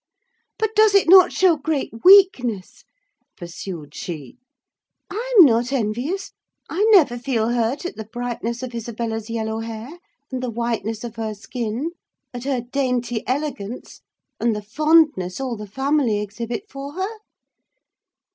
"But does it not show great weakness?" pursued she. "I'm not envious: I never feel hurt at the brightness of Isabella's yellow hair and the whiteness of her skin, at her dainty elegance, and the fondness all the family exhibit for her.